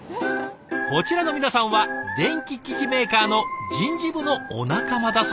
こちらの皆さんは電気機器メーカーの人事部のお仲間だそう。